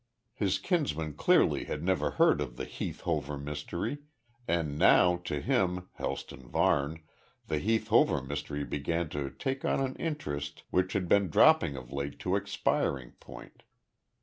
His kinsman clearly had never heard of the Heath Hover mystery, and now to him, Helston Varne, the Heath Hover mystery began to take on an interest which had been dropping of late to expiring point.